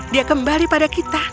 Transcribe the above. dia kembali pada kita